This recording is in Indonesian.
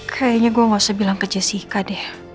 kayaknya gue gak usah bilang ke jessica deh